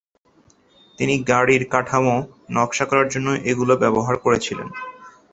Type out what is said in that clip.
তিনি গাড়ির কাঠামো নকশা করার জন্য এগুলো ব্যবহার করেছিলেন।